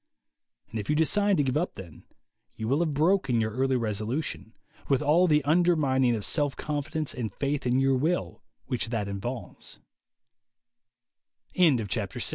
And if you decide to give up then, you will have broken your early resolution, with all the undermining of self con fidence and faith in your will which tha